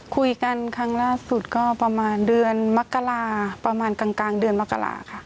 คุยกันครั้งล่าสุดก็ประมาณเดือนมกราประมาณกลางเดือนมกราค่ะ